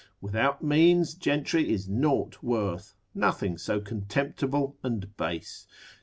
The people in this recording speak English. Without means gentry is naught worth, nothing so contemptible and base.